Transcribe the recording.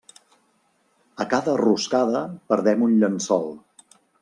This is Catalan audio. A cada roscada perdem un llençol.